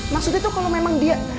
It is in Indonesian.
maksudnya tuh kalo dia